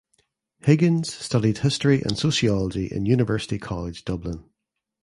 Higgins studied history and sociology in University College Dublin.